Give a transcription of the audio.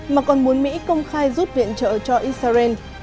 mà còn muốn mỹ công khai rút viện trợ cho israel